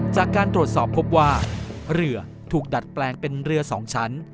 จากการตรวจสอบพบว่าเรือถูกดัดแปลงเป็นเรือ๒ชั้น